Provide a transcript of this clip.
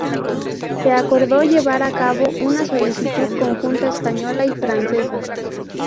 Se acordó llevar a cabo una solicitud conjunta española y francesa.